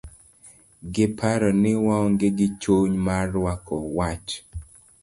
Giparo ni waonge gi chuny marwako wach.